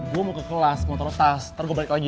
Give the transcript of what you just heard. gue mau ke kelas mau taro tas ntar gue balik lagi ya